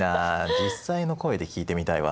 実際の声で聞いてみたいわ。